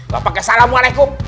gak pake salamualaikum